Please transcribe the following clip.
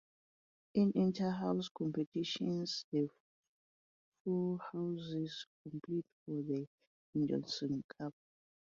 In interhouse competitions, the four houses compete for the Edmonson Cup.